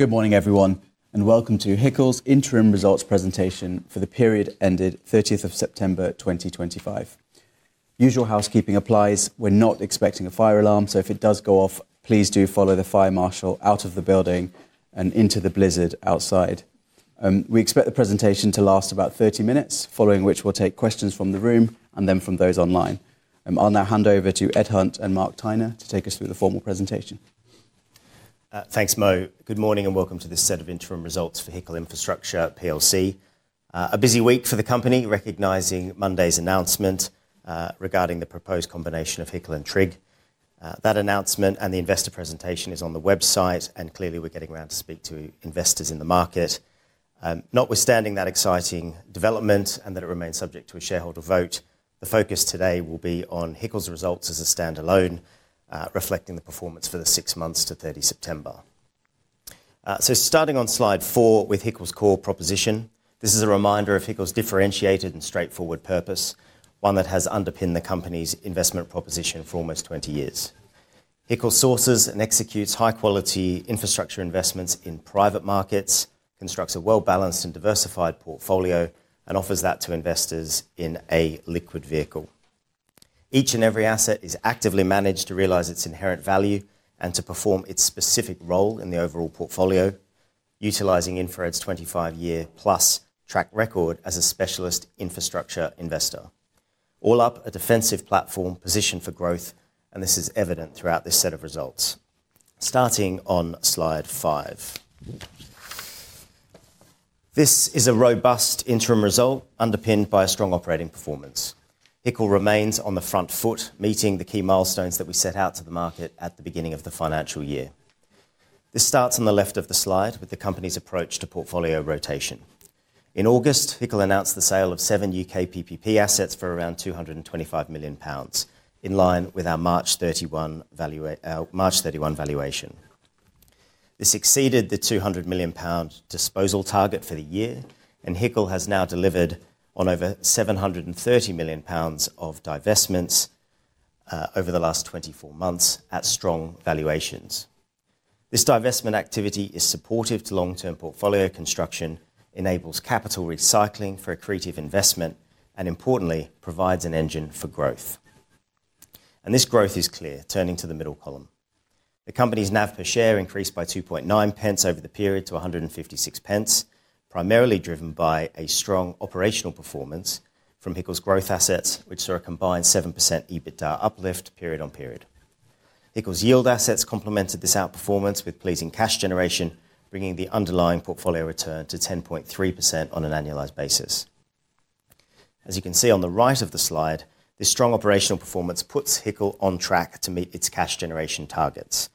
Good morning, everyone, and welcome to HICL's Interim Results Presentation for the period ended 30th September 2025. Usual housekeeping applies: we're not expecting a fire alarm, so if it does go off, please do follow the fire marshal out of the building and into the blizzard outside. We expect the presentation to last about 30 minutes, following which we'll take questions from the room and then from those online. I'll now hand over to Ed Hunt and Mark Tiner to take us through the formal presentation. Thanks, Mo. Good morning and welcome to this set of interim results for HICL Infrastructure. A busy week for the company, recognizing Monday's announcement regarding the proposed combination of HICL and TRIG. That announcement and the investor presentation is on the website, and clearly we are getting around to speak to investors in the market. Notwithstanding that exciting development and that it remains subject to a shareholder vote, the focus today will be on HICL's results as a standalone, reflecting the performance for the six months to 30 September. Starting on slide four with HICL's core proposition, this is a reminder of HICL's differentiated and straightforward purpose, one that has underpinned the company's investment proposition for almost 20 years. HICL sources and executes high-quality infrastructure investments in private markets, constructs a well-balanced and diversified portfolio, and offers that to investors in a liquid vehicle. Each and every asset is actively managed to realize its inherent value and to perform its specific role in the overall portfolio, utilizing InfraRed's 25-year-plus track record as a specialist infrastructure investor. All up, a defensive platform positioned for growth, and this is evident throughout this set of results. Starting on slide five. This is a robust interim result underpinned by a strong operating performance. HICL remains on the front foot, meeting the key milestones that we set out to the market at the beginning of the financial year. This starts on the left of the slide with the company's approach to portfolio rotation. In August, HICL announced the sale of seven U.K. PPP assets for around 225 million pounds, in line with our March 31 valuation. This exceeded the 200 million pound disposal target for the year, and HICL has now delivered on over 730 million pounds of divestments over the last 24 months at strong valuations. This divestment activity is supportive to long-term portfolio construction, enables capital recycling for accretive investment, and importantly, provides an engine for growth. This growth is clear, turning to the middle column. The company's NAV per share increased by 2.9 pence over the period to 156 pence, primarily driven by a strong operational performance from HICL's growth assets, which saw a combined 7% EBITDA uplift period on period. HICL's yield assets complemented this outperformance with pleasing cash generation, bringing the underlying portfolio return to 10.3% on an annualized basis. As you can see on the right of the slide, this strong operational performance puts HICL on track to meet its cash generation targets.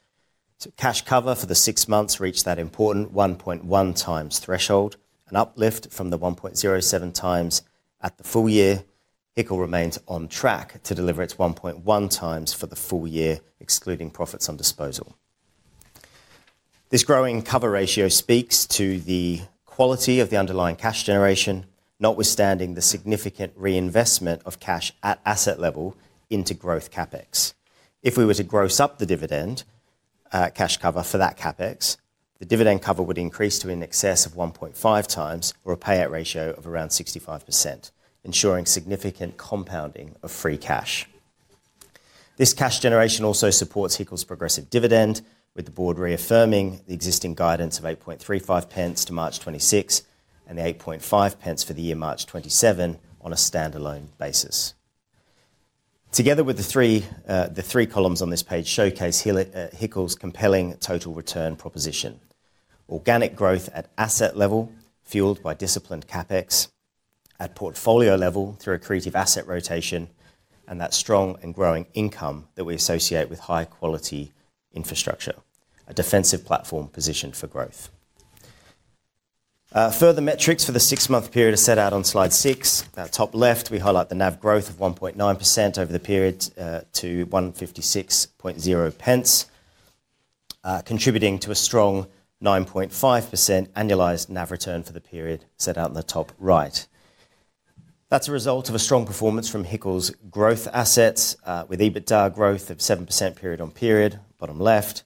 Cash cover for the six months reached that important 1.1 times threshold, an uplift from the 1.07 times at the full year. HICL remains on track to deliver its 1.1 times for the full year, excluding profits on disposal. This growing cover ratio speaks to the quality of the underlying cash generation, notwithstanding the significant reinvestment of cash at asset level into growth CapEx. If we were to gross up the dividend cash cover for that CapEx, the dividend cover would increase to in excess of 1.5 times or a payout ratio of around 65%, ensuring significant compounding of free cash. This cash generation also supports HICL's progressive dividend, with the board reaffirming the existing guidance of 0.0835 to March 2026 and the 0.085 for the year March 2027 on a standalone basis. Together with the three columns on this page showcase HICL's compelling total return proposition: organic growth at asset level, fueled by disciplined CapEx at portfolio level through accretive asset rotation, and that strong and growing income that we associate with high-quality infrastructure, a defensive platform positioned for growth. Further metrics for the six-month period are set out on slide six. At top left, we highlight the NAV growth of 1.9% over the period to 1.560, contributing to a strong 9.5% annualized NAV return for the period set out on the top right. That is a result of a strong performance from HICL's growth assets, with EBITDA growth of 7% period on period, bottom left.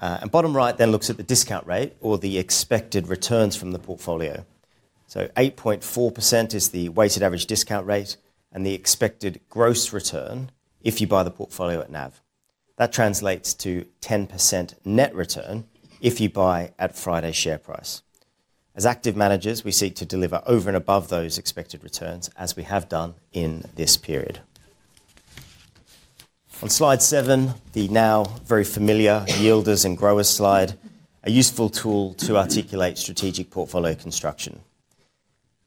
Bottom right then looks at the discount rate or the expected returns from the portfolio. 8.4% is the weighted average discount rate and the expected gross return if you buy the portfolio at NAV. That translates to 10% net return if you buy at Friday's share price. As active managers, we seek to deliver over and above those expected returns, as we have done in this period. On slide seven, the now very familiar yielders and growers slide, a useful tool to articulate strategic portfolio construction.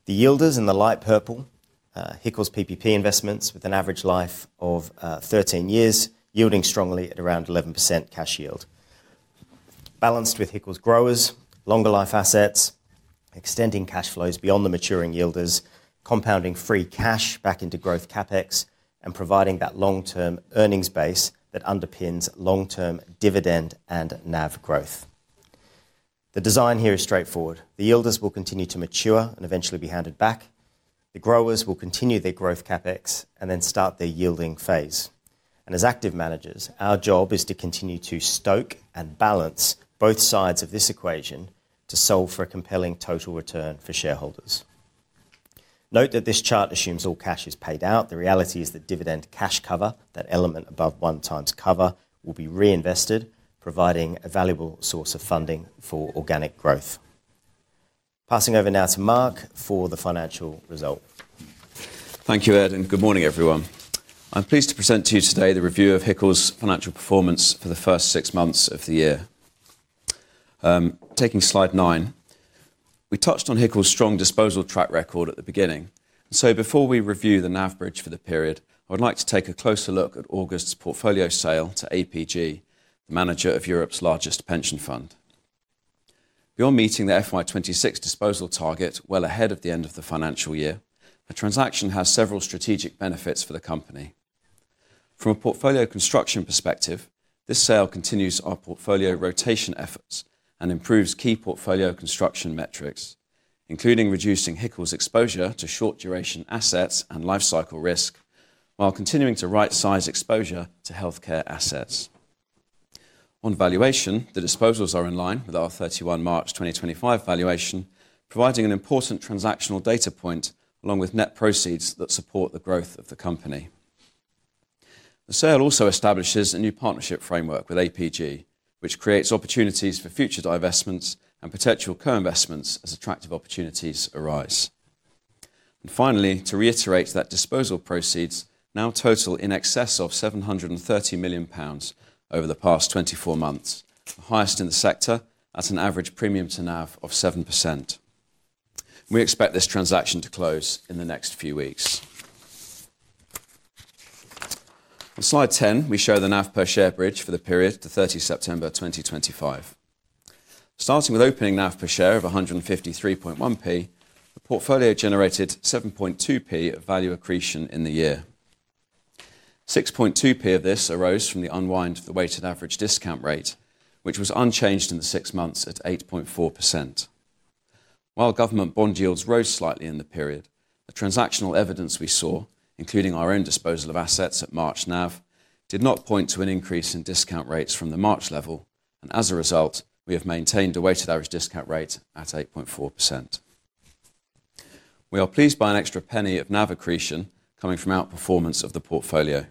The yielders in the light purple, HICL's PPP investments with an average life of 13 years, yielding strongly at around 11% cash yield. Balanced with HICL's growers, longer life assets, extending cash flows beyond the maturing yielders, compounding free cash back into growth CapEx, and providing that long-term earnings base that underpins long-term dividend and NAV growth. The design here is straightforward. The yielders will continue to mature and eventually be handed back. The growers will continue their growth CapEx and then start their yielding phase. As active managers, our job is to continue to stoke and balance both sides of this equation to solve for a compelling total return for shareholders. Note that this chart assumes all cash is paid out. The reality is that dividend cash cover, that element above one times cover, will be reinvested, providing a valuable source of funding for organic growth. Passing over now to Mark for the financial result. Thank you, Ed, and good morning, everyone. I'm pleased to present to you today the review of HICL's financial performance for the first six months of the year. Taking slide nine, we touched on HICL's strong disposal track record at the beginning. Before we review the NAV bridge for the period, I would like to take a closer look at August's portfolio sale to APG, the manager of Europe's largest pension fund. Beyond meeting the FY26 disposal target well ahead of the end of the financial year, the transaction has several strategic benefits for the company. From a portfolio construction perspective, this sale continues our portfolio rotation efforts and improves key portfolio construction metrics, including reducing HICL's exposure to short-duration assets and lifecycle risk while continuing to right-size exposure to healthcare assets. On valuation, the disposals are in line with our 31st March 2025 valuation, providing an important transactional data point along with net proceeds that support the growth of the company. The sale also establishes a new partnership framework with APG, which creates opportunities for future divestments and potential co-investments as attractive opportunities arise. To reiterate, disposal proceeds now total in excess of 730 million pounds over the past 24 months, the highest in the sector at an average premium to NAV of 7%. We expect this transaction to close in the next few weeks. On slide 10, we show the NAV per share bridge for the period to 30 September 2025. Starting with opening NAV per share of 153.1p, the portfolio generated 7.2p of value accretion in the year. 6.2p of this arose from the unwind of the weighted average discount rate, which was unchanged in the six months at 8.4%. While government bond yields rose slightly in the period, the transactional evidence we saw, including our own disposal of assets at March NAV, did not point to an increase in discount rates from the March level, and as a result, we have maintained a weighted average discount rate at 8.4%. We are pleased by an extra penny of NAV accretion coming from outperformance of the portfolio.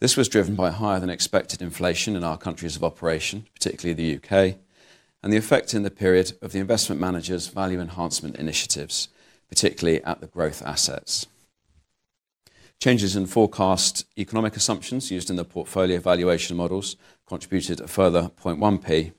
This was driven by higher than expected inflation in our countries of operation, particularly the U.K., and the effect in the period of the investment managers' value enhancement initiatives, particularly at the growth assets. Changes in forecast economic assumptions used in the portfolio valuation models contributed a further 0.1p,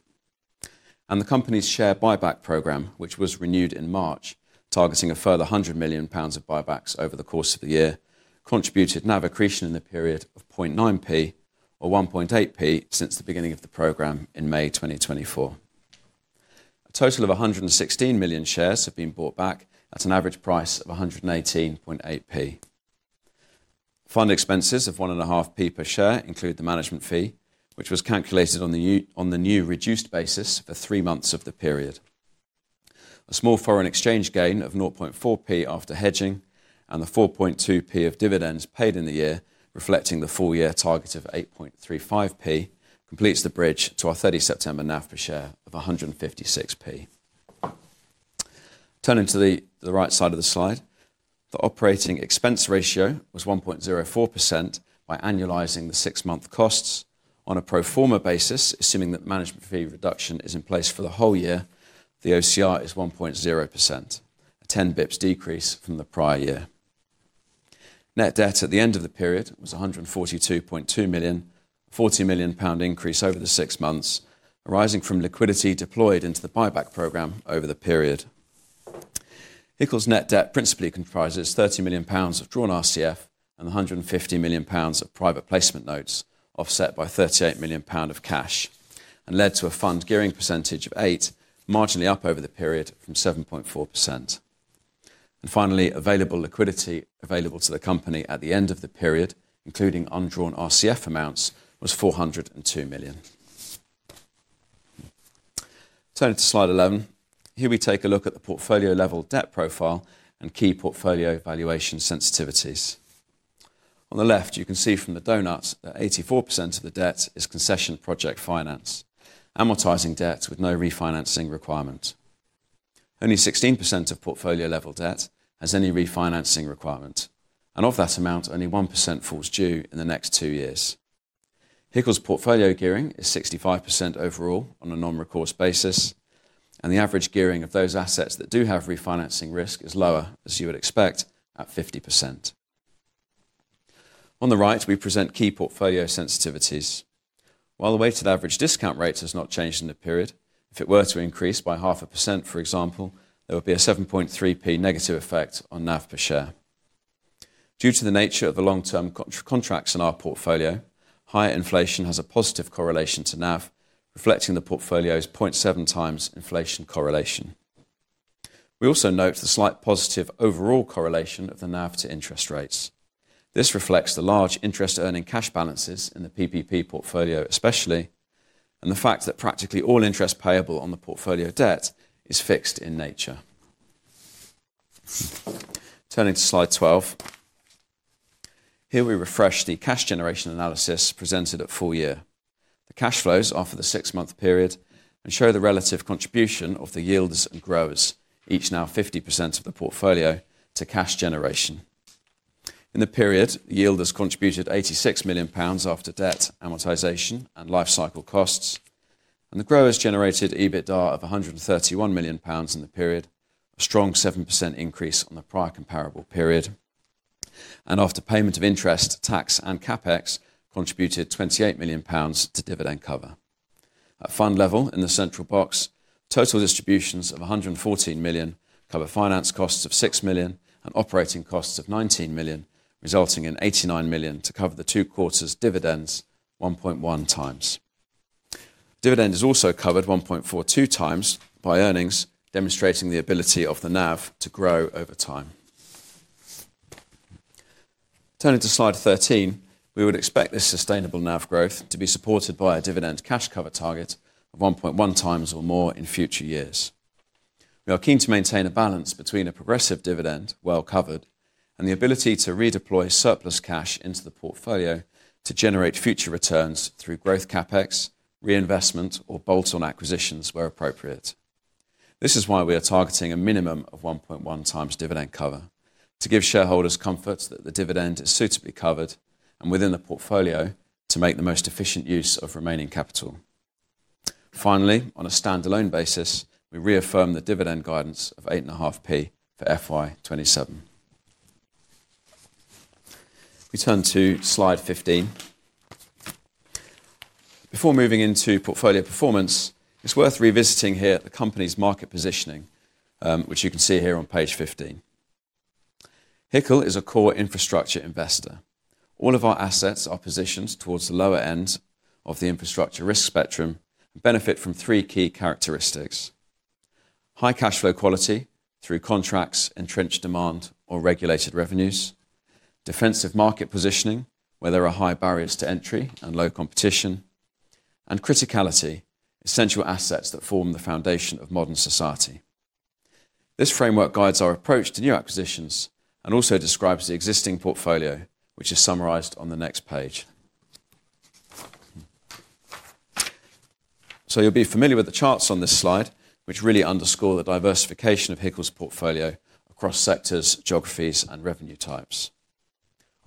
and the company's share buyback program, which was renewed in March, targeting a further 100 million pounds of buybacks over the course of the year, contributed NAV accretion in the period of 0.9p or 1.8p since the beginning of the program in May 2024. A total of 116 million shares have been bought back at an average price of 118.8p. Fund expenses of 1.5p per share include the management fee, which was calculated on the new reduced basis for three months of the period. A small foreign exchange gain of 0.4p after hedging and the 4.2p of dividends paid in the year, reflecting the full year target of 8.35p, completes the bridge to our 30 September NAV per share of 156p. Turning to the right side of the slide, the operating expense ratio was 1.04% by annualizing the six-month costs. On a pro forma basis, assuming that management fee reduction is in place for the whole year, the OCR is 1.0%, a 10 basis points decrease from the prior year. Net debt at the end of the period was 142.2 million, a 40 million pound increase over the six months, arising from liquidity deployed into the buyback program over the period. HICL's net debt principally comprises 30 million pounds of drawn RCF and 150 million pounds of private placement notes, offset by 38 million pound of cash, and led to a fund gearing percentage of 8%, marginally up over the period from 7.4%. Finally, available liquidity available to the company at the end of the period, including undrawn RCF amounts, was 402 million. Turning to slide 11, here we take a look at the portfolio level debt profile and key portfolio valuation sensitivities. On the left, you can see from the donuts that 84% of the debt is concession project finance, amortizing debt with no refinancing requirement. Only 16% of portfolio level debt has any refinancing requirement, and of that amount, only 1% falls due in the next two years. HICL's portfolio gearing is 65% overall on a non-recourse basis, and the average gearing of those assets that do have refinancing risk is lower, as you would expect, at 50%. On the right, we present key portfolio sensitivities. While the weighted average discount rate has not changed in the period, if it were to increase by half a percent, for example, there would be a 7.3p negative effect on NAV per share. Due to the nature of the long-term contracts in our portfolio, higher inflation has a positive correlation to NAV, reflecting the portfolio's 0.7 times inflation correlation. We also note the slight positive overall correlation of the NAV to interest rates. This reflects the large interest-earning cash balances in the PPP portfolio especially, and the fact that practically all interest payable on the portfolio debt is fixed in nature. Turning to slide 12, here we refresh the cash generation analysis presented at full year. The cash flows are for the six-month period and show the relative contribution of the yielders and growers, each now 50% of the portfolio, to cash generation. In the period, the yielders contributed 86 million pounds after debt amortization and lifecycle costs, and the growers generated EBITDA of 131 million pounds in the period, a strong 7% increase on the prior comparable period. After payment of interest, tax, and CapEx contributed 28 million pounds to dividend cover. At fund level, in the central box, total distributions of 114 million cover finance costs of 6 million and operating costs of 19 million, resulting in 89 million to cover the two quarters' dividends 1.1 times. Dividend is also covered 1.42 times by earnings, demonstrating the ability of the NAV to grow over time. Turning to slide 13, we would expect this sustainable NAV growth to be supported by a dividend cash cover target of 1.1 times or more in future years. We are keen to maintain a balance between a progressive dividend well covered and the ability to redeploy surplus cash into the portfolio to generate future returns through growth CapEx, reinvestment, or bolt-on acquisitions where appropriate. This is why we are targeting a minimum of 1.1 times dividend cover to give shareholders comfort that the dividend is suitably covered and within the portfolio to make the most efficient use of remaining capital. Finally, on a standalone basis, we reaffirm the dividend guidance of 0.085 for FY2027. We turn to slide 15. Before moving into portfolio performance, it is worth revisiting here the company's market positioning, which you can see here on page 15. HICL is a core infrastructure investor. All of our assets are positioned towards the lower end of the infrastructure risk spectrum and benefit from three key characteristics: high cash flow quality through contracts, entrenched demand, or regulated revenues; defensive market positioning, where there are high barriers to entry and low competition; and criticality, essential assets that form the foundation of modern society. This framework guides our approach to new acquisitions and also describes the existing portfolio, which is summarized on the next page. You'll be familiar with the charts on this slide, which really underscore the diversification of HICL's portfolio across sectors, geographies, and revenue types.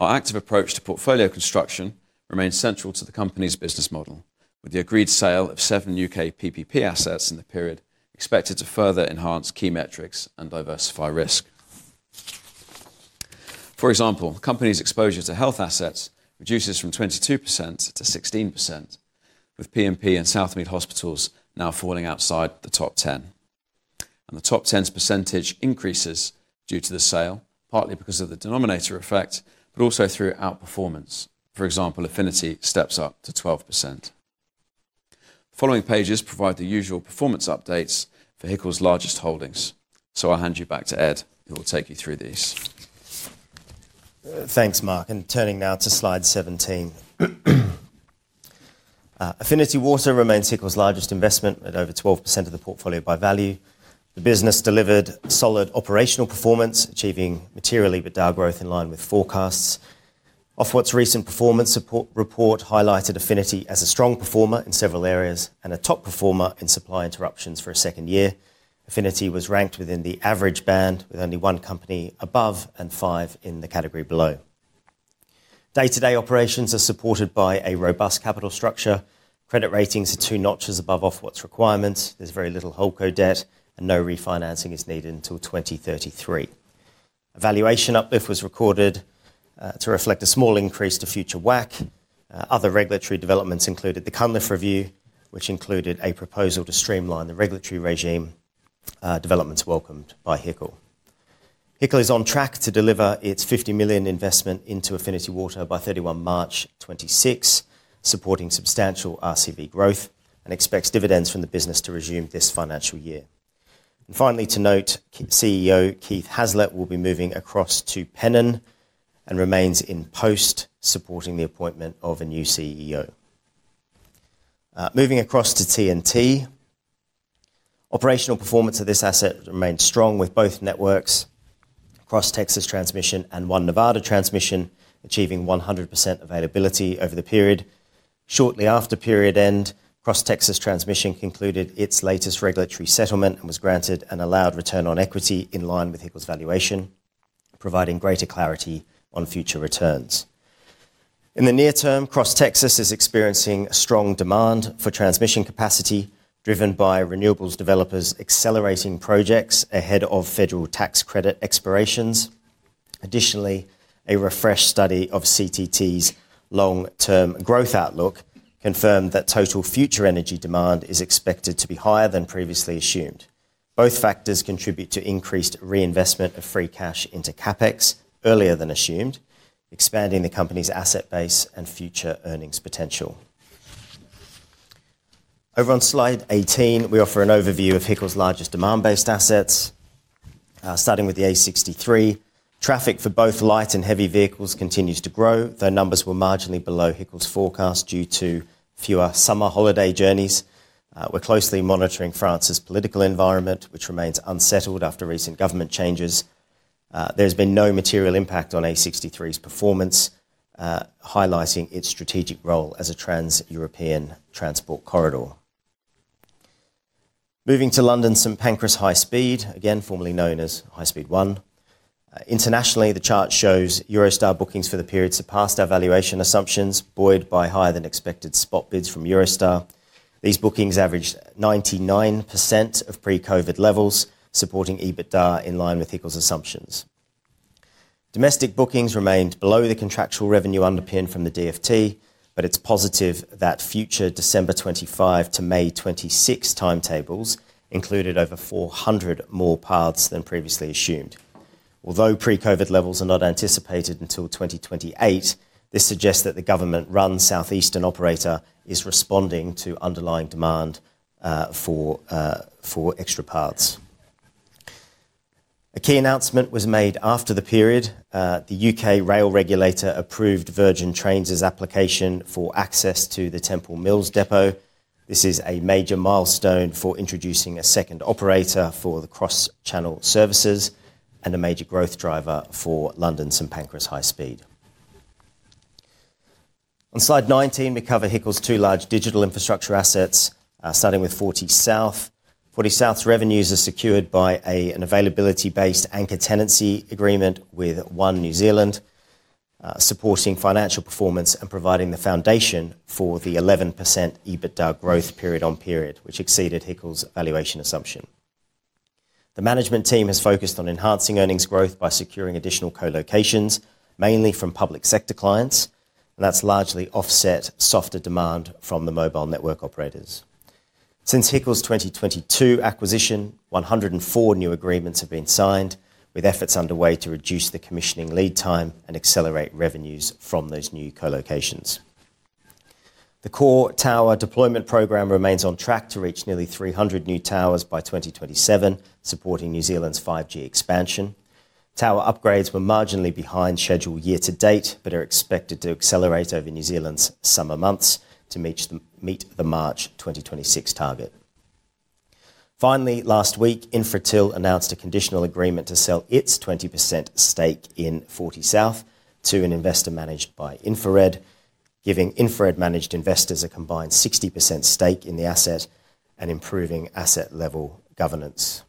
Our active approach to portfolio construction remains central to the company's business model, with the agreed sale of seven U.K. PPP assets in the period expected to further enhance key metrics and diversify risk. For example, the company's exposure to health assets reduces from 22% to 16%, with PMP and Southmead Hospitals now falling outside the top 10. The top 10's percentage increases due to the sale, partly because of the denominator effect, but also through outperformance. For example, Affinity steps up to 12%. The following pages provide the usual performance updates for HICL's largest holdings. I'll hand you back to Ed, who will take you through these. Thanks, Mark. Turning now to slide 17. Affinity Water remains HICL's largest investment at over 12% of the portfolio by value. The business delivered solid operational performance, achieving material EBITDA growth in line with forecasts. Ofwat's recent performance report highlighted Affinity as a strong performer in several areas and a top performer in supply interruptions for a second year. Affinity was ranked within the average band, with only one company above and five in the category below. Day-to-day operations are supported by a robust capital structure. Credit ratings are two notches above Ofwat's requirements. There is very little HoldCo debt, and no refinancing is needed until 2033. A valuation uplift was recorded to reflect a small increase to future WACC. Other regulatory developments included the Cunliffe Review, which included a proposal to streamline the regulatory regime. Developments welcomed by HICL. HICL is on track to deliver its 50 million investment into Affinity Water by 31 March 2026, supporting substantial RCV growth, and expects dividends from the business to resume this financial year. Finally, to note, CEO Keith Hazlett will be moving across to Pennon and remains in post, supporting the appointment of a new CEO. Moving across to TNT, operational performance of this asset remained strong with both networks, Cross Texas Transmission and One Nevada Transmission, achieving 100% availability over the period. Shortly after period end, Cross Texas Transmission concluded its latest regulatory settlement and was granted an allowed return on equity in line with HICL's valuation, providing greater clarity on future returns. In the near term, Cross Texas is experiencing strong demand for transmission capacity, driven by renewables developers accelerating projects ahead of federal tax credit expirations. Additionally, a refreshed study of CTT's long-term growth outlook confirmed that total future energy demand is expected to be higher than previously assumed. Both factors contribute to increased reinvestment of free cash into CapEx earlier than assumed, expanding the company's asset base and future earnings potential. Over on slide 18, we offer an overview of HICL's largest demand-based assets, starting with the A63. Traffic for both light and heavy vehicles continues to grow, though numbers were marginally below HICL's forecast due to fewer summer holiday journeys. We're closely monitoring France's political environment, which remains unsettled after recent government changes. There has been no material impact on A63's performance, highlighting its strategic role as a trans-European transport corridor. Moving to London, St. Pancras High Speed, again formerly known as High Speed One. Internationally, the chart shows Eurostar bookings for the period surpassed our valuation assumptions, buoyed by higher-than-expected spot bids from Eurostar. These bookings averaged 99% of pre-COVID levels, supporting EBITDA in line with HICL's assumptions. Domestic bookings remained below the contractual revenue underpin from the DFT, but it is positive that future December 2025 to May 2026 timetables included over 400 more paths than previously assumed. Although pre-COVID levels are not anticipated until 2028, this suggests that the government-run southeastern operator is responding to underlying demand for extra paths. A key announcement was made after the period. The U.K. rail regulator approved Virgin Trains' application for access to the Temple Mills depot. This is a major milestone for introducing a second operator for the cross-channel services and a major growth driver for London St. Pancras High Speed 1. On slide 19, we cover HICL's two large digital infrastructure assets, starting with Fortysouth. Fortysouth's revenues are secured by an availability-based anchor tenancy agreement with One New Zealand, supporting financial performance and providing the foundation for the 11% EBITDA growth period-on-period, which exceeded HICL's valuation assumption. The management team has focused on enhancing earnings growth by securing additional co-locations, mainly from public sector clients, and that has largely offset softer demand from the mobile network operators. Since HICL's 2022 acquisition, 104 new agreements have been signed, with efforts underway to reduce the commissioning lead time and accelerate revenues from those new co-locations. The core tower deployment program remains on track to reach nearly 300 new towers by 2027, supporting New Zealand's 5G expansion. Tower upgrades were marginally behind schedule year to date, but are expected to accelerate over New Zealand's summer months to meet the March 2026 target. Finally, last week, Infratil announced a conditional agreement to sell its 20% stake in Fortysouth to an investor managed by InfraRed, giving InfraRed-managed investors a combined 60% stake in the asset and improving asset-level governance.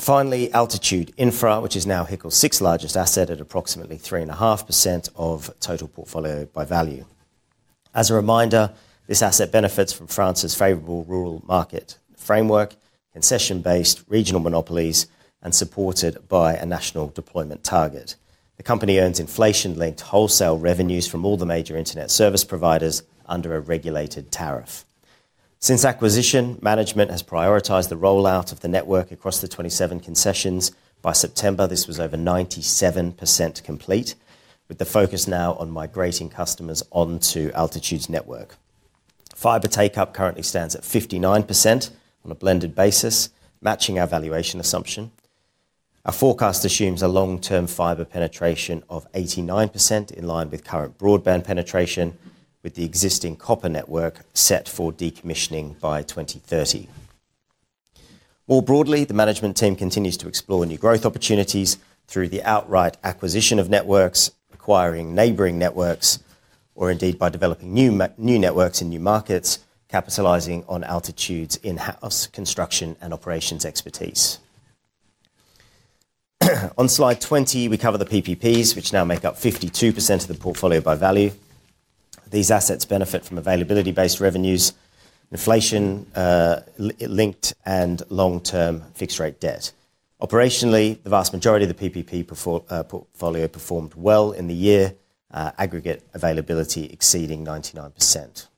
Finally, Altitude Infra, which is now HICL's sixth-largest asset at approximately 3.5% of total portfolio by value. As a reminder, this asset benefits from France's favorable rural market framework, concession-based regional monopolies, and is supported by a national deployment target. The company earns inflation-linked wholesale revenues from all the major internet service providers under a regulated tariff. Since acquisition, management has prioritized the rollout of the network across the 27 concessions. By September, this was over 97% complete, with the focus now on migrating customers onto Altitude's network. Fiber take-up currently stands at 59% on a blended basis, matching our valuation assumption. Our forecast assumes a long-term fiber penetration of 89% in line with current broadband penetration, with the existing copper network set for decommissioning by 2030. More broadly, the management team continues to explore new growth opportunities through the outright acquisition of networks, acquiring neighboring networks, or indeed by developing new networks in new markets, capitalizing on Altitude Infra's in-house construction and operations expertise. On slide 20, we cover the PPPs, which now make up 52% of the portfolio by value. These assets benefit from availability-based revenues, inflation-linked, and long-term fixed-rate debt. Operationally, the vast majority of the PPP portfolio performed well in the year, aggregate availability exceeding 99%.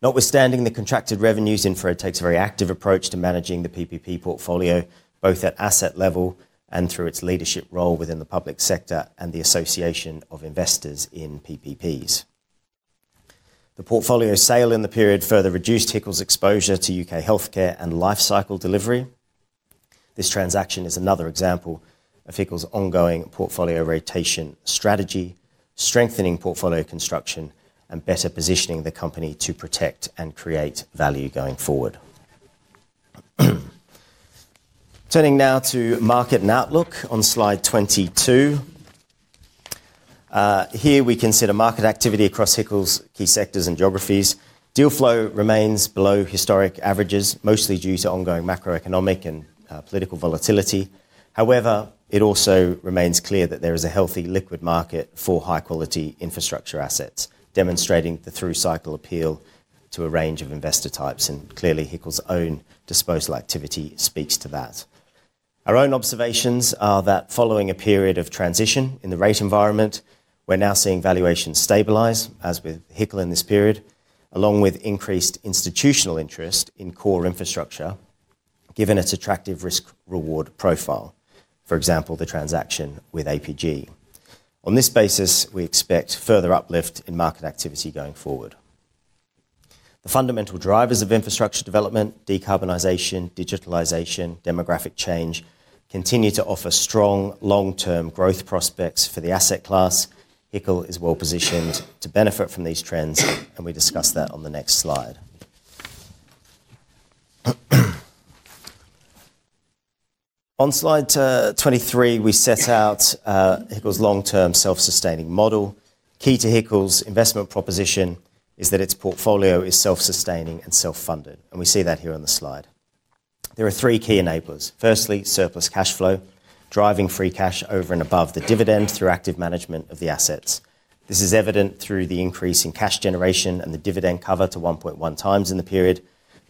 Notwithstanding the contracted revenues, InfraRed takes a very active approach to managing the PPP portfolio, both at asset level and through its leadership role within the public sector and the association of investors in PPPs. The portfolio sale in the period further reduced HICL's exposure to U.K. healthcare and lifecycle delivery. This transaction is another example of HICL's ongoing portfolio rotation strategy, strengthening portfolio construction, and better positioning the company to protect and create value going forward. Turning now to market and outlook on slide 22. Here, we consider market activity across HICL's key sectors and geographies. Deal flow remains below historic averages, mostly due to ongoing macroeconomic and political volatility. However, it also remains clear that there is a healthy liquid market for high-quality infrastructure assets, demonstrating the through-cycle appeal to a range of investor types. Clearly, HICL's own disposal activity speaks to that. Our own observations are that following a period of transition in the rate environment, we're now seeing valuations stabilize, as with HICL in this period, along with increased institutional interest in core infrastructure, given its attractive risk-reward profile, for example, the transaction with APG. On this basis, we expect further uplift in market activity going forward. The fundamental drivers of infrastructure development, decarbonization, digitalization, and demographic change continue to offer strong long-term growth prospects for the asset class. HICL is well positioned to benefit from these trends, and we discuss that on the next slide. On slide 23, we set out HICL's long-term self-sustaining model. Key to HICL's investment proposition is that its portfolio is self-sustaining and self-funded. We see that here on the slide. There are three key enablers. Firstly, surplus cash flow, driving free cash over and above the dividend through active management of the assets. This is evident through the increase in cash generation and the dividend cover to 1.1 times in the period.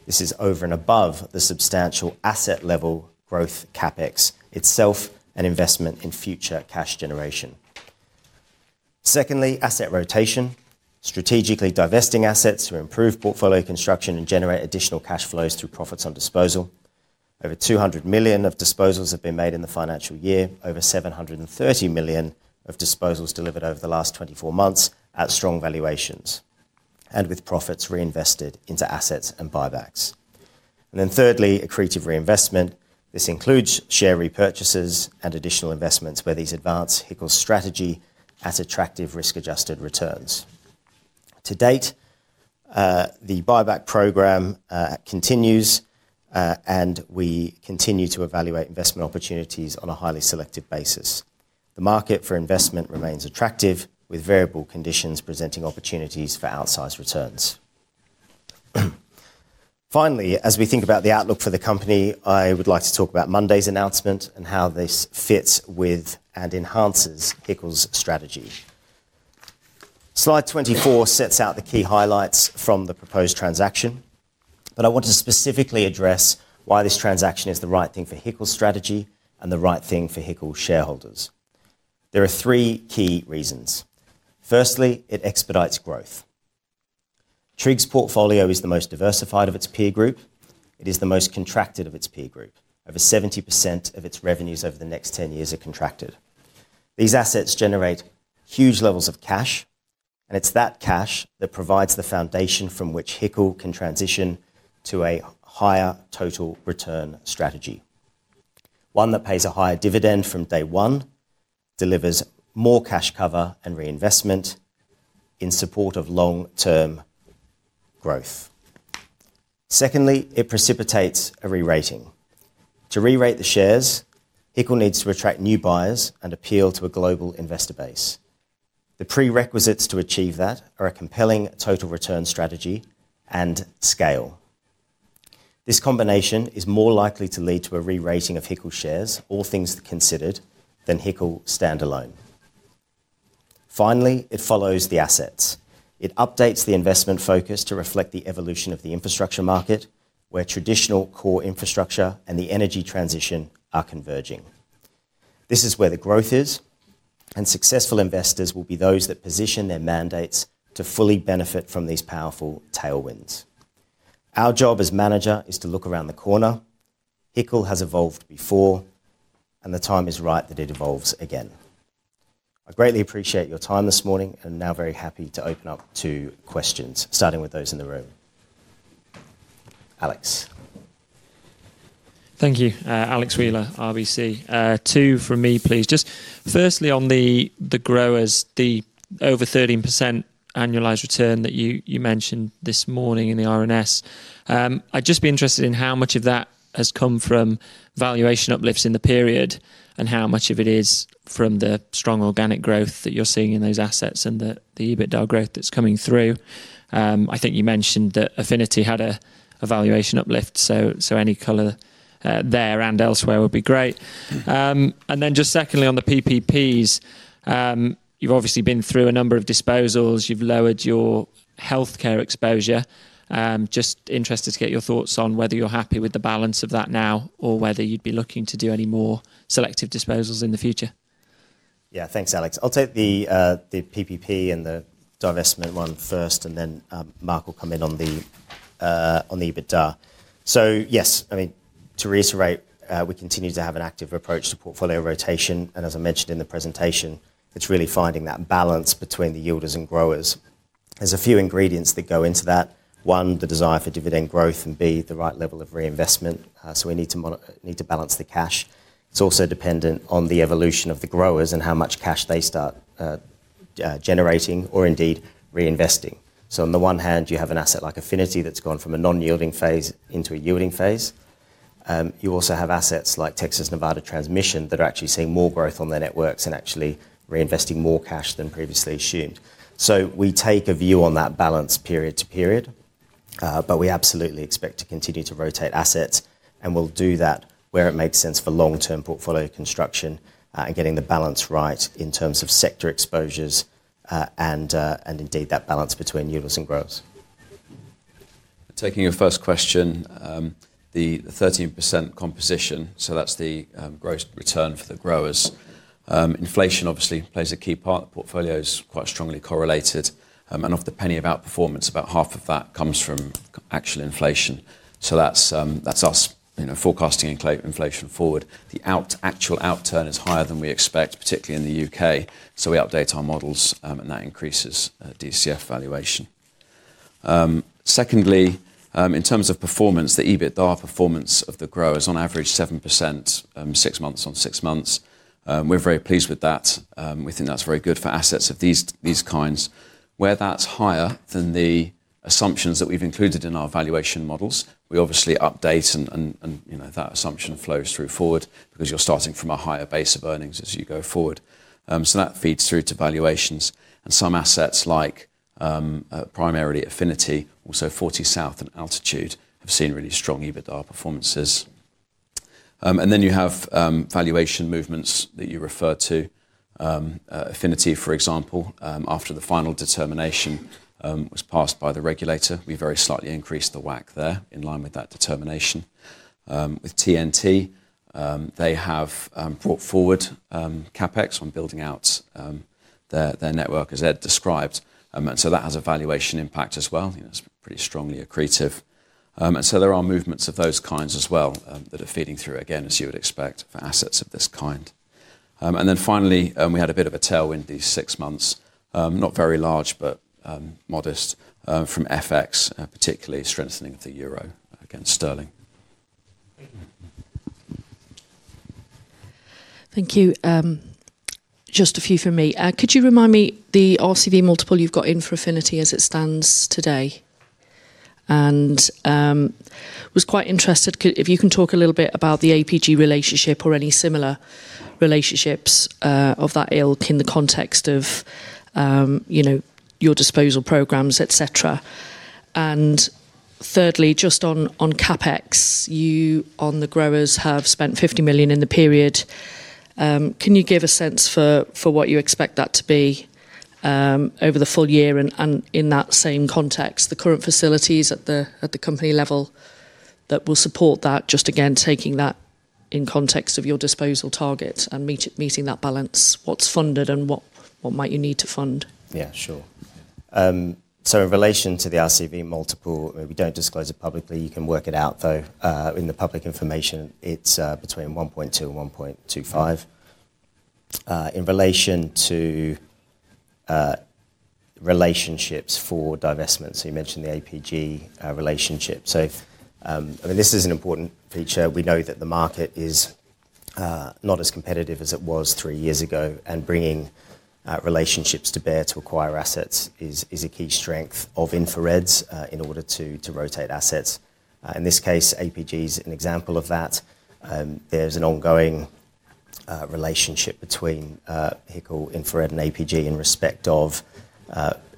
This is over and above the substantial asset-level growth CapEx itself and investment in future cash generation. Secondly, asset rotation, strategically divesting assets to improve portfolio construction and generate additional cash flows through profits on disposal. Over 200 million of disposals have been made in the financial year, over 730 million of disposals delivered over the last 24 months at strong valuations and with profits reinvested into assets and buybacks. Thirdly, accretive reinvestment. This includes share repurchases and additional investments where these advance HICL's strategy at attractive risk-adjusted returns. To date, the buyback program continues, and we continue to evaluate investment opportunities on a highly selective basis. The market for investment remains attractive, with variable conditions presenting opportunities for outsized returns. Finally, as we think about the outlook for the company, I would like to talk about Monday's announcement and how this fits with and enhances HICL's strategy. Slide 24 sets out the key highlights from the proposed transaction, but I want to specifically address why this transaction is the right thing for HICL's strategy and the right thing for HICL shareholders. There are three key reasons. Firstly, it expedites growth. TRIG's portfolio is the most diversified of its peer group. It is the most contracted of its peer group. Over 70% of its revenues over the next 10 years are contracted. These assets generate huge levels of cash, and it's that cash that provides the foundation from which HICL can transition to a higher total return strategy, one that pays a higher dividend from day one, delivers more cash cover and reinvestment in support of long-term growth. Secondly, it precipitates a re-rating. To re-rate the shares, HICL needs to attract new buyers and appeal to a global investor base. The prerequisites to achieve that are a compelling total return strategy and scale. This combination is more likely to lead to a re-rating of HICL shares, all things considered, than HICL standalone. Finally, it follows the assets. It updates the investment focus to reflect the evolution of the infrastructure market, where traditional core infrastructure and the energy transition are converging. This is where the growth is, and successful investors will be those that position their mandates to fully benefit from these powerful tailwinds. Our job as manager is to look around the corner. HICL has evolved before, and the time is right that it evolves again. I greatly appreciate your time this morning and am now very happy to open up to questions, starting with those in the room. Alex. Thank you. Alex Wheeler, RBC. Two from me, please. Just firstly, on the growers, the over 13% annualized return that you mentioned this morning in the R&S. I'd just be interested in how much of that has come from valuation uplifts in the period and how much of it is from the strong organic growth that you're seeing in those assets and the EBITDA growth that's coming through. I think you mentioned that Affinity had a valuation uplift, so any color there and elsewhere would be great. And then just secondly, on the PPPs, you've obviously been through a number of disposals. You've lowered your healthcare exposure. Just interested to get your thoughts on whether you're happy with the balance of that now or whether you'd be looking to do any more selective disposals in the future. Yeah, thanks, Alex. I'll take the PPP and the divestment one first, and then Mark will come in on the EBITDA. Yes, I mean, to reiterate, we continue to have an active approach to portfolio rotation. As I mentioned in the presentation, it's really finding that balance between the yielders and growers. There's a few ingredients that go into that. One, the desire for dividend growth and, B, the right level of reinvestment. We need to balance the cash. It's also dependent on the evolution of the growers and how much cash they start generating or indeed reinvesting. On the one hand, you have an asset like Affinity that's gone from a non-yielding phase into a yielding phase. You also have assets like Texas Nevada Transmission that are actually seeing more growth on their networks and actually reinvesting more cash than previously assumed. We take a view on that balance period to period, but we absolutely expect to continue to rotate assets, and we'll do that where it makes sense for long-term portfolio construction and getting the balance right in terms of sector exposures and indeed that balance between yielders and growers. Taking your first question, the 13% composition, that's the gross return for the growers. Inflation obviously plays a key part. The portfolio is quite strongly correlated. Off the penny of outperformance, about half of that comes from actual inflation. That's us forecasting inflation forward. The actual outturn is higher than we expect, particularly in the U.K. We update our models, and that increases DCF valuation. Secondly, in terms of performance, the EBITDA performance of the growers on average 7% six months on six months. We're very pleased with that. We think that's very good for assets of these kinds. Where that's higher than the assumptions that we've included in our valuation models, we obviously update and that assumption flows through forward because you're starting from a higher base of earnings as you go forward. That feeds through to valuations. Some assets like primarily Affinity, also Fortysouth and Altitude, have seen really strong EBITDA performances. You have valuation movements that you refer to. Affinity, for example, after the final determination was passed by the regulator, we very slightly increased the WACC there in line with that determination. With TNT, they have brought forward CapEx on building out their network, as Ed described. That has a valuation impact as well. It is pretty strongly accretive. There are movements of those kinds as well that are feeding through, again, as you would expect for assets of this kind. Finally, we had a bit of a tailwind these six months, not very large, but modest, from FX, particularly strengthening of the euro against sterling. Thank you. Just a few from me. Could you remind me the RCV multiple you have got in for Affinity as it stands today? I was quite interested if you can talk a little bit about the APG relationship or any similar relationships of that ilk in the context of your disposal programs, etc. Thirdly, just on CapEx, you, on the growers, have spent 50 million in the period. Can you give a sense for what you expect that to be over the full year and in that same context, the current facilities at the company level that will support that, just again, taking that in context of your disposal target and meeting that balance, what's funded and what might you need to fund? Yeah, sure. In relation to the RCV multiple, we do not disclose it publicly. You can work it out, though, in the public information. It is between 1.2 and 1.25 in relation to relationships for divestment. You mentioned the APG relationship. I mean, this is an important feature. We know that the market is not as competitive as it was three years ago, and bringing relationships to bear to acquire assets is a key strength of InfraRed's in order to rotate assets. In this case, APG is an example of that. There's an ongoing relationship between HICL, InfraRed, and APG in respect of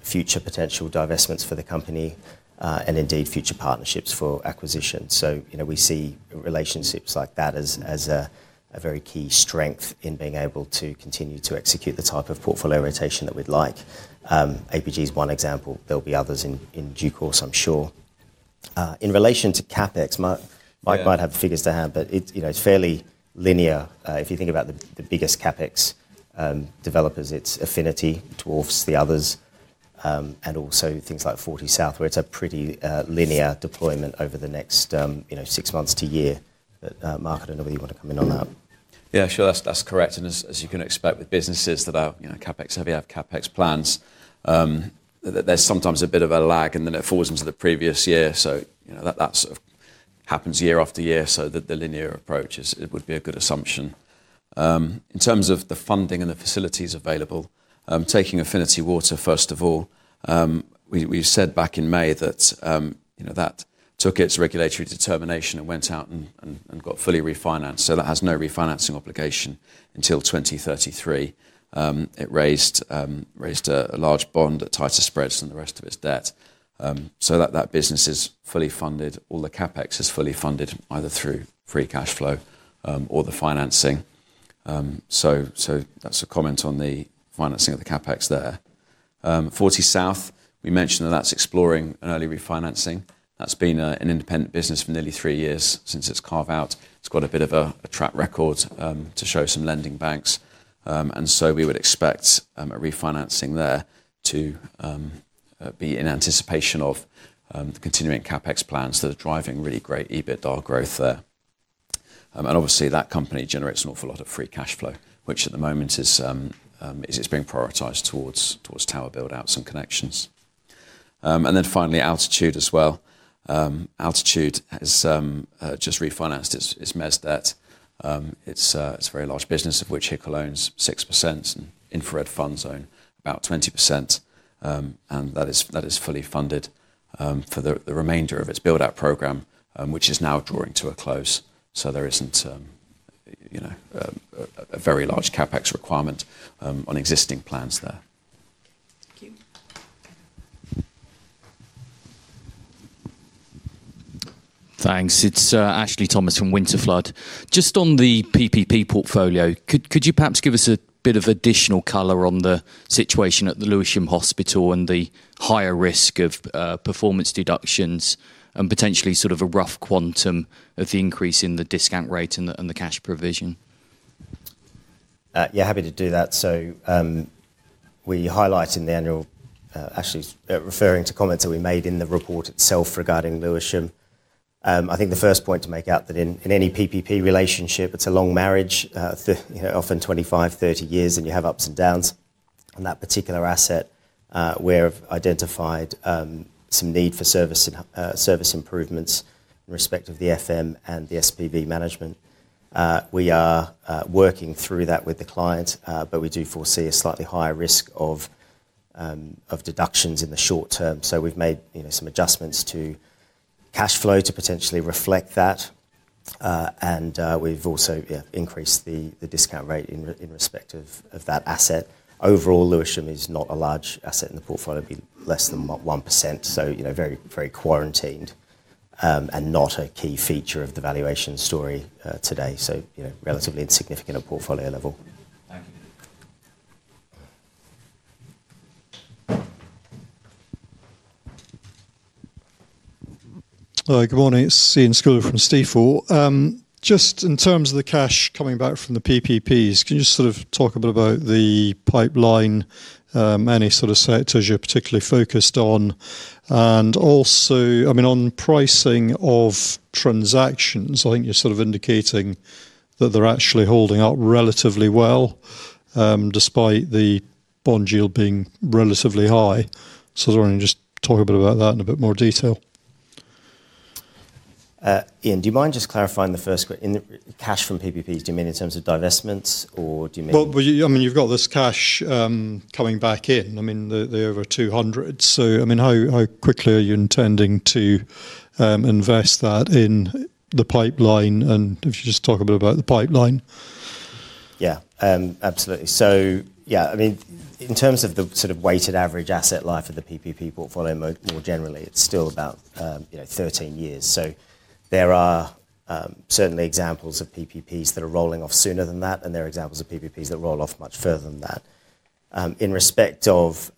future potential divestments for the company and indeed future partnerships for acquisitions. We see relationships like that as a very key strength in being able to continue to execute the type of portfolio rotation that we'd like. APG is one example. There'll be others in due course, I'm sure. In relation to CapEx, Mike might have figures to hand, but it's fairly linear. If you think about the biggest CapEx developers, it's Affinity, dwarfs the others, and also things like Fortysouth, where it's a pretty linear deployment over the next six months to year. Mark, I don't know whether you want to come in on that. Yeah, sure. That's correct. As you can expect, with businesses that are CapEx-heavy, have CapEx plans, there's sometimes a bit of a lag, and then it falls into the previous year. That sort of happens year after year. The linear approach would be a good assumption. In terms of the funding and the facilities available, taking Affinity Water, first of all, we said back in May that that took its regulatory determination and went out and got fully refinanced. That has no refinancing obligation until 2033. It raised a large bond at tighter spreads than the rest of its debt. That business is fully funded. All the CapEx is fully funded either through free cash flow or the financing. That's a comment on the financing of the CapEx there. Fortysouth, we mentioned that that's exploring an early refinancing. That's been an independent business for nearly three years since its carve-out. It's got a bit of a track record to show some lending banks. We would expect a refinancing there to be in anticipation of the continuing CapEx plans that are driving really great EBITDA growth there. Obviously, that company generates an awful lot of free cash flow, which at the moment is being prioritized towards tower build-outs and connections. Finally, Altitude as well. Altitude has just refinanced its mez debt. It's a very large business, of which HICL owns 6% and InfraRed Funds own about 20%. That is fully funded for the remainder of its build-out program, which is now drawing to a close. There isn't a very large CapEx requirement on existing plans there. Thank you. Thanks. It's Ashley Thomas from Winterflood. Just on the PPP portfolio, could you perhaps give us a bit of additional color on the situation at the Lewisham Hospital and the higher risk of performance deductions and potentially sort of a rough quantum of the increase in the discount rate and the cash provision? Yeah, happy to do that. We highlight in the annual actually referring to comments that we made in the report itself regarding Lewisham. I think the first point to make out that in any PPP relationship, it's a long marriage, often 25, 30 years, and you have ups and downs. On that particular asset, we have identified some need for service improvements in respect of the FM and the SPV management. We are working through that with the client, but we do foresee a slightly higher risk of deductions in the short term. We have made some adjustments to cash flow to potentially reflect that. We have also increased the discount rate in respect of that asset. Overall, Lewisham is not a large asset in the portfolio, less than 1%. It is very quarantined and not a key feature of the valuation story today. It is relatively insignificant at portfolio level. Thank you. Hello. Good morning. It is Ian Sculler from Stifel. Just in terms of the cash coming back from the PPPs, can you just sort of talk a bit about the pipeline, any sort of sectors you are particularly focused on? Also, I mean, on pricing of transactions, I think you are sort of indicating that they are actually holding up relatively well despite the bond yield being relatively high. I want to just talk a bit about that in a bit more detail. Ian, do you mind just clarifying the first question? Cash from PPPs, do you mean in terms of divestments, or do you mean? I mean, you've got this cash coming back in. I mean, the over 200. I mean, how quickly are you intending to invest that in the pipeline? If you just talk a bit about the pipeline. Yeah, absolutely. In terms of the sort of weighted average asset life of the PPP portfolio more generally, it's still about 13 years. There are certainly examples of PPPs that are rolling off sooner than that, and there are examples of PPPs that roll off much further than that. In respect of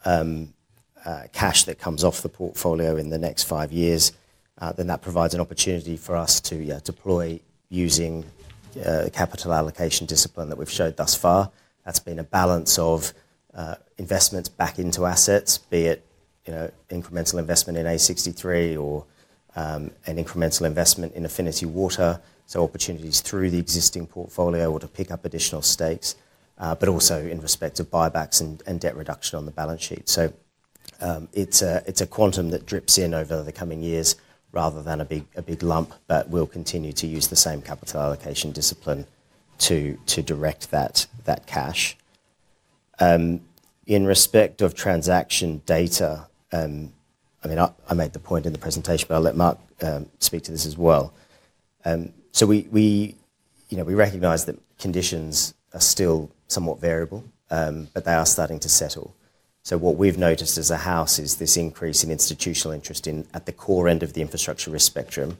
cash that comes off the portfolio in the next five years, that provides an opportunity for us to deploy using the capital allocation discipline that we've showed thus far. That's been a balance of investments back into assets, be it incremental investment in A63 or an incremental investment in Affinity Water. Opportunities through the existing portfolio or to pick up additional stakes, but also in respect of buybacks and debt reduction on the balance sheet. It's a quantum that drips in over the coming years rather than a big lump, but we'll continue to use the same capital allocation discipline to direct that cash. In respect of transaction data, I mean, I made the point in the presentation, but I'll let Mark speak to this as well. We recognize that conditions are still somewhat variable, but they are starting to settle. What we have noticed as a house is this increase in institutional interest at the core end of the infrastructure risk spectrum,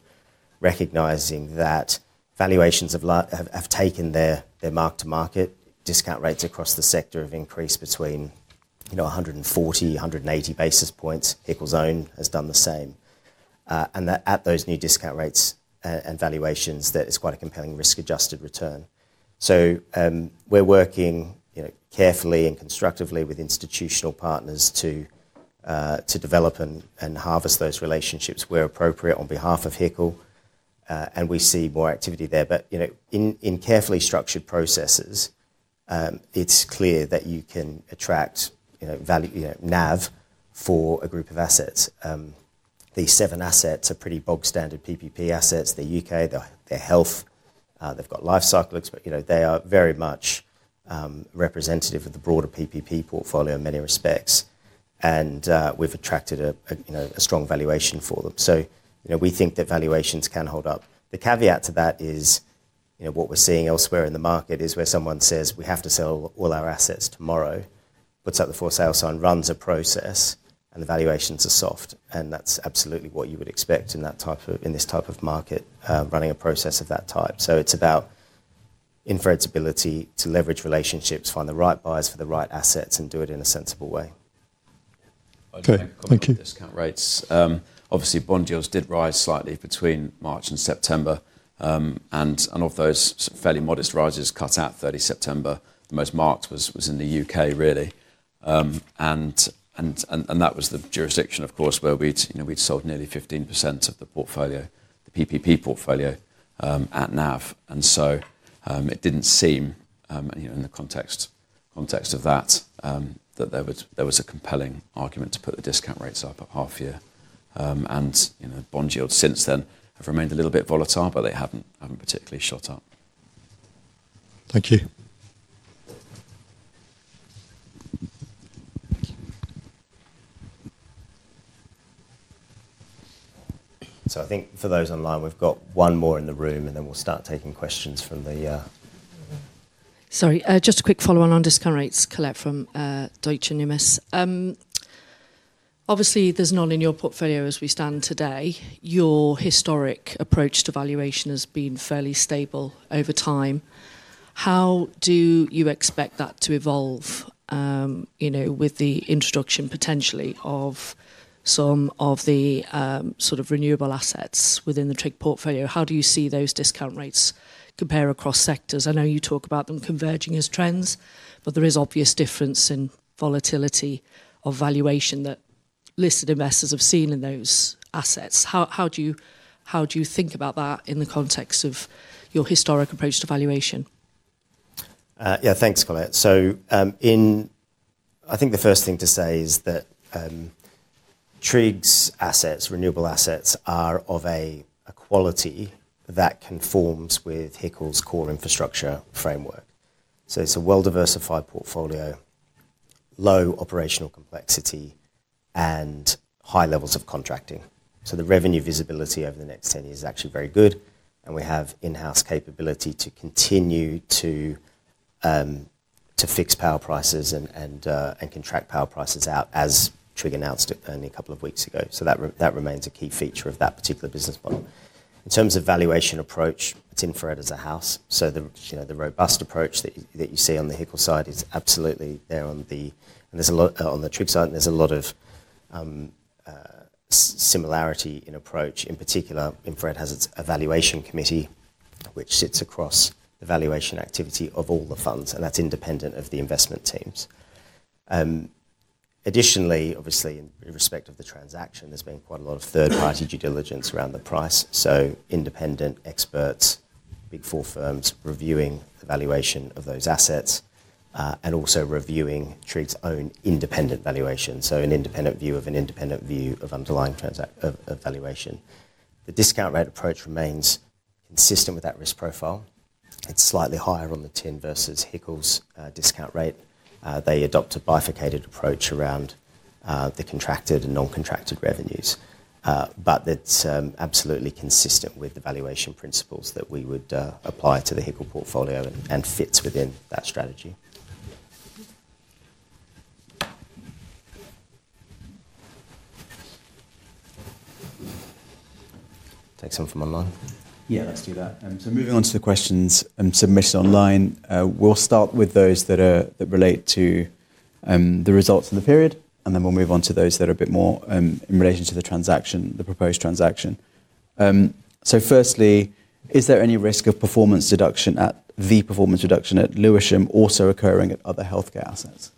recognizing that valuations have taken their mark-to-market. Discount rates across the sector have increased between 140-180 basis points. HICL's own has done the same. At those new discount rates and valuations, that is quite a compelling risk-adjusted return. We are working carefully and constructively with institutional partners to develop and harvest those relationships where appropriate on behalf of HICL, and we see more activity there. In carefully structured processes, it is clear that you can attract NAV for a group of assets. These seven assets are pretty bog-standard PPP assets. They are U.K., they are health, they have got life cycle experts. They are very much representative of the broader PPP portfolio in many respects. We have attracted a strong valuation for them. We think that valuations can hold up. The caveat to that is what we are seeing elsewhere in the market is where someone says, "We have to sell all our assets tomorrow," puts up the for sale sign, runs a process, and the valuations are soft. That is absolutely what you would expect in this type of market, running a process of that type. It is about invertibility to leverage relationships, find the right buyers for the right assets, and do it in a sensible way. Okay. Discount rates. Obviously, bond yields did rise slightly between March and September. Of those fairly modest rises cut at 30 September, the most marked was in the U.K., really. That was the jurisdiction, of course, where we had sold nearly 15% of the portfolio, the PPP portfolio, at NAV. It did not seem, in the context of that, that there was a compelling argument to put the discount rates up at half year. Bond yields since then have remained a little bit volatile, but they have not particularly shot up. Thank you. I think for those online, we have one more in the room, and then we will start taking questions from the— sorry. Just a quick follow-on on discount rates, Colette from Deutsche Numis. Obviously, there is none in your portfolio as we stand today. Your historic approach to valuation has been fairly stable over time. How do you expect that to evolve with the introduction potentially of some of the sort of renewable assets within the TRIG portfolio? How do you see those discount rates compare across sectors? I know you talk about them converging as trends, but there is obvious difference in volatility of valuation that listed investors have seen in those assets. How do you think about that in the context of your historic approach to valuation? Yeah, thanks, Colette. I think the first thing to say is that TRIG's assets, renewable assets, are of a quality that conforms with HICL's core infrastructure framework. It is a well-diversified portfolio, low operational complexity, and high levels of contracting. The revenue visibility over the next 10 years is actually very good. We have in-house capability to continue to fix power prices and contract power prices out as TRIG announced only a couple of weeks ago. That remains a key feature of that particular business model. In terms of valuation approach, it is InfraRed as a house. The robust approach that you see on the HICL side is absolutely there, and on the TRIG side, there's a lot of similarity in approach. In particular, InfraRed has its evaluation committee, which sits across the valuation activity of all the funds, and that's independent of the investment teams. Additionally, obviously, in respect of the transaction, there's been quite a lot of third-party due diligence around the price. Independent experts, big four firms reviewing the valuation of those assets and also reviewing TRIG's own independent valuation. An independent view of an independent view of underlying valuation. The discount rate approach remains consistent with that risk profile. It's slightly higher on the TRIG versus HICL's discount rate. They adopt a bifurcated approach around the contracted and non-contracted revenues. It is absolutely consistent with the valuation principles that we would apply to the HICL portfolio and fits within that strategy. Take some from online. Yeah, let's do that. Moving on to the questions submitted online, we will start with those that relate to the results of the period, and then we will move on to those that are a bit more in relation to the transaction, the proposed transaction. Firstly, is there any risk of performance deduction at the performance reduction at Lewisham also occurring at other healthcare assets?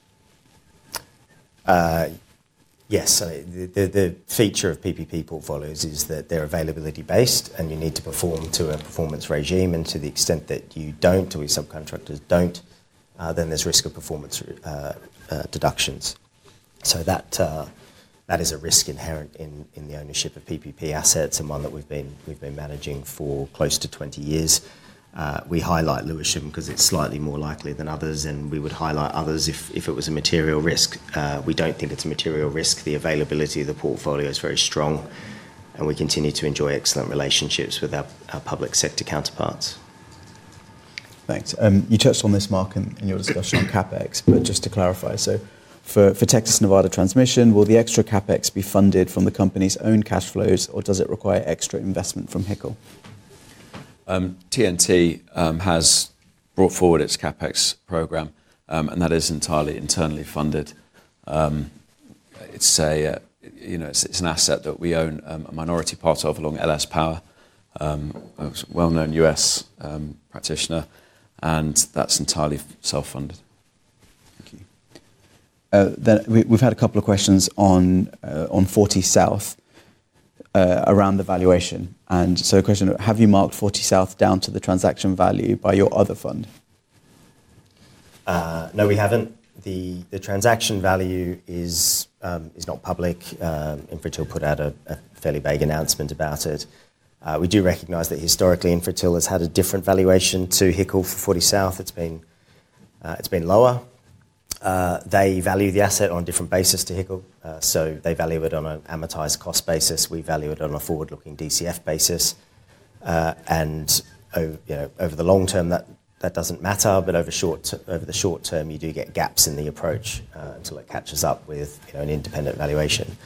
Yes. The feature of PPP portfolios is that they are availability-based, and you need to perform to a performance regime. To the extent that you do not, or your subcontractors do not, then there is risk of performance deductions. That is a risk inherent in the ownership of PPP assets and one that we have been managing for close to 20 years. We highlight Lewisham because it's slightly more likely than others, and we would highlight others if it was a material risk. We don't think it's a material risk. The availability of the portfolio is very strong, and we continue to enjoy excellent relationships with our public sector counterparts. Thanks. You touched on this, Mark, in your discussion on CapEx, but just to clarify. For Texas Nevada Transmission, will the extra CapEx be funded from the company's own cash flows, or does it require extra investment from HICL? TNT has brought forward its CapEx program, and that is entirely internally funded. It's an asset that we own a minority part of along LS Power, a well-known US practitioner, and that's entirely self-funded. Thank you. We have had a couple of questions on Fortysouth around the valuation. Question, have you marked Fortysouth down to the transaction value by your other fund? No, we have not. The transaction value is not public. Infratil put out a fairly vague announcement about it. We do recognize that historically, Infratil has had a different valuation to HICL for Fortysouth. it has been lower. They value the asset on a different basis to HICL. They value it on an amortized cost basis. We value it on a forward-looking DCF basis. Over the long term, that does not matter, but over the short term, you do get gaps in the approach until it catches up with an independent valuation.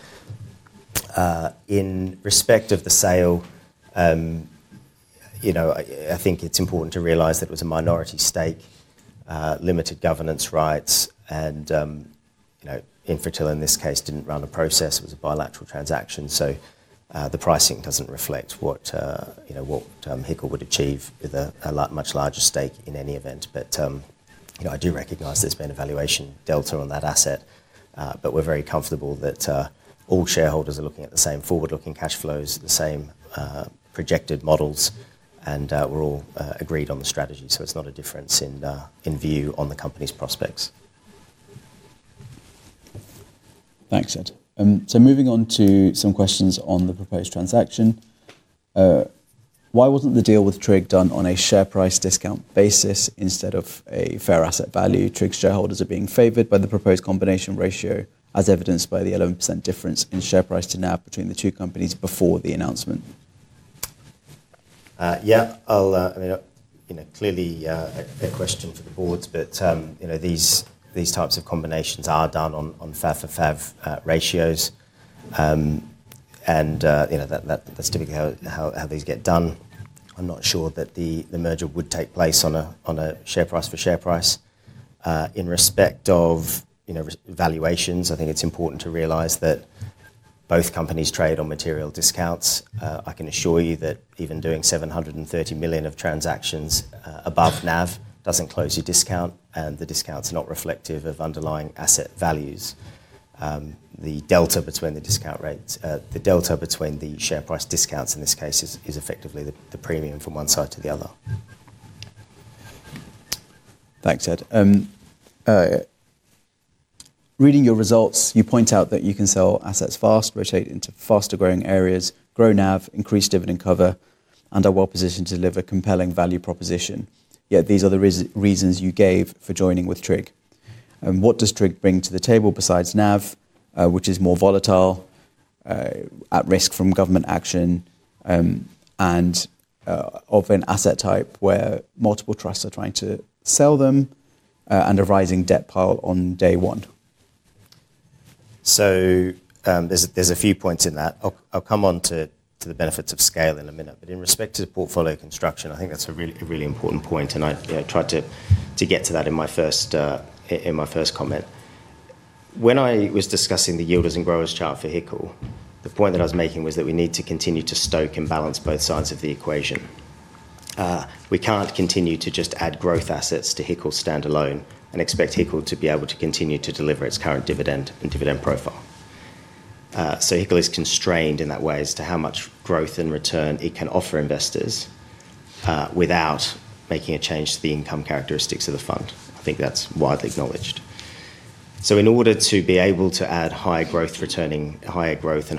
In respect of the sale, I think it is important to realize that it was a minority stake, limited governance rights, and Infratil, in this case, did not run a process. It was a bilateral transaction. The pricing does not reflect what HICL would achieve with a much larger stake in any event. I do recognize there has been a valuation delta on that asset, but we are very comfortable that all shareholders are looking at the same forward-looking cash flows, the same projected models, and we are all agreed on the strategy. It is not a difference in view on the company's prospects. Thanks, Ed. Moving on to some questions on the proposed transaction. Why was the deal with TRIG not done on a share price discount basis instead of a fair asset value? TRIG's shareholders are being favored by the proposed combination ratio, as evidenced by the 11% difference in share price to NAV between the two companies before the announcement. Yeah, I mean, clearly a question for the boards, but these types of combinations are done on fair-for-fair ratios, and that's typically how these get done. I'm not sure that the merger would take place on a share price for share price. In respect of valuations, I think it's important to realize that both companies trade on material discounts. I can assure you that even doing 730 million of transactions above NAV doesn't close your discount, and the discounts are not reflective of underlying asset values. The delta between the discount rates, the delta between the share price discounts in this case is effectively the premium from one side to the other. Thanks, Ed. Reading your results, you point out that you can sell assets fast, rotate into faster growing areas, grow NAV, increase dividend cover, and are well positioned to deliver compelling value proposition. Yeah, these are the reasons you gave for joining with TRIG. What does TRIG bring to the table besides NAV, which is more volatile, at risk from government action, and of an asset type where multiple trusts are trying to sell them and a rising debt pile on day one? There are a few points in that. I'll come on to the benefits of scale in a minute. In respect to the portfolio construction, I think that's a really important point, and I tried to get to that in my first comment. When I was discussing the yielders and growers chart for HICL, the point that I was making was that we need to continue to stoke and balance both sides of the equation. We can't continue to just add growth assets to HICL standalone and expect HICL to be able to continue to deliver its current dividend and dividend profile. HICL is constrained in that way as to how much growth and return it can offer investors without making a change to the income characteristics of the fund. I think that's widely acknowledged. In order to be able to add higher growth and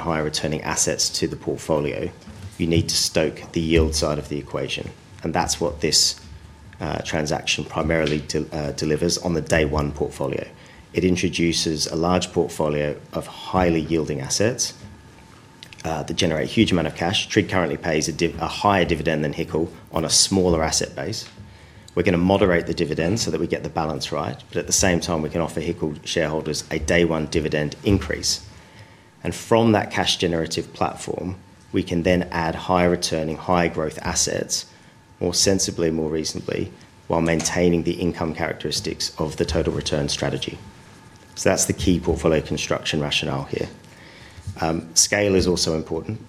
higher returning assets to the portfolio, you need to stoke the yield side of the equation. That's what this transaction primarily delivers on the day-one portfolio. It introduces a large portfolio of highly yielding assets that generate a huge amount of cash. TRIG currently pays a higher dividend than HICL on a smaller asset base. We're going to moderate the dividend so that we get the balance right, but at the same time, we can offer HICL shareholders a day-one dividend increase. From that cash-generative platform, we can then add higher returning, higher growth assets more sensibly, more reasonably, while maintaining the income characteristics of the total return strategy. That is the key portfolio construction rationale here. Scale is also important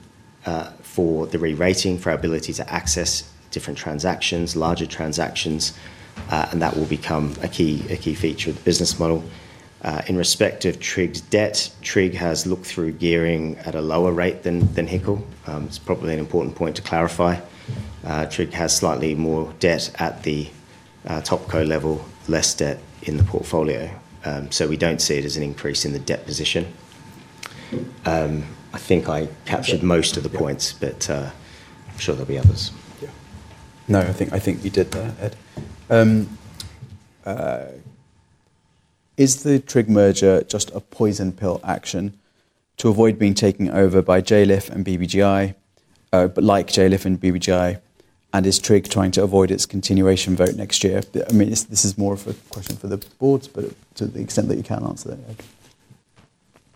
for the re-rating, for our ability to access different transactions, larger transactions, and that will become a key feature of the business model. In respect of TRIG's debt, TRIG has look-through gearing at a lower rate than HICL. It is probably an important point to clarify. TRIG has slightly more debt at the top co level, less debt in the portfolio. We do not see it as an increase in the debt position. I think I captured most of the points, but I'm sure there'll be others. Yeah. No, I think you did there, Ed. Is the TRIG merger just a poison pill action to avoid being taken over by JLIF and BBGI, like JLIF and BBGI? And is TRIG trying to avoid its continuation vote next year? I mean, this is more of a question for the boards, but to the extent that you can answer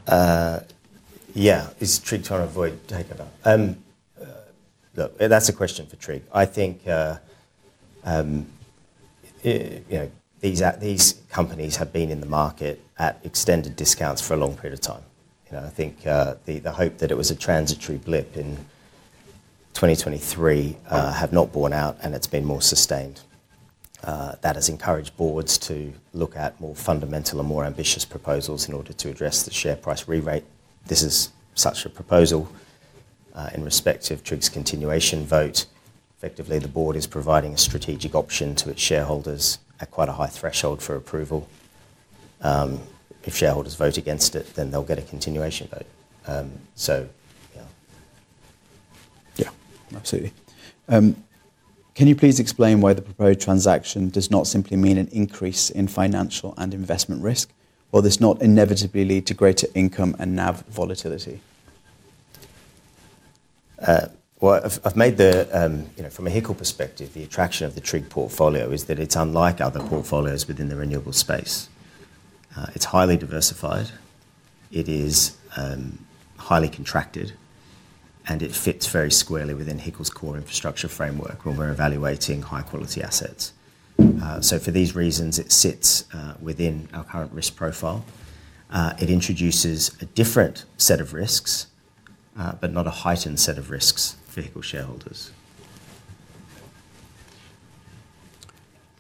that, Ed. Yeah, is TRIG trying to avoid taking that? Look, that's a question for TRIG. I think these companies have been in the market at extended discounts for a long period of time. I think the hope that it was a transitory blip in 2023 had not borne out, and it's been more sustained. That has encouraged boards to look at more fundamental and more ambitious proposals in order to address the share price re-rate. This is such a proposal in respect of TRIG's continuation vote. Effectively, the board is providing a strategic option to its shareholders at quite a high threshold for approval. If shareholders vote against it, then they'll get a continuation vote. Yeah, absolutely. Can you please explain why the proposed transaction does not simply mean an increase in financial and investment risk, or does not inevitably lead to greater income and NAV volatility? I've made the, from a HICL perspective, the attraction of the TRIG portfolio is that it's unlike other portfolios within the renewable space. It's highly diversified. It is highly contracted, and it fits very squarely within HICL's core infrastructure framework when we're evaluating high-quality assets. For these reasons, it sits within our current risk profile. It introduces a different set of risks, but not a heightened set of risks for HICL shareholders.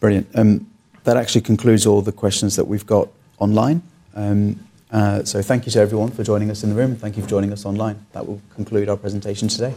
Brilliant. That actually concludes all the questions that we've got online. Thank you to everyone for joining us in the room, and thank you for joining us online. That will conclude our presentation today.